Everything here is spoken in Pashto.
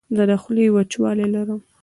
زه د خولې وچوالی لرم.